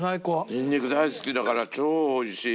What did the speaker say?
ニンニク大好きだから超おいしい！